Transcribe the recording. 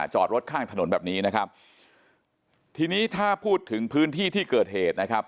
จอดรถข้างถนนแบบนี้นะครับทีนี้ถ้าพูดถึงพื้นที่ที่เกิดเหตุนะครับ